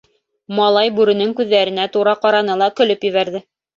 Малай бүренең күҙҙәренә тура ҡараны ла көлөп ебәрҙе.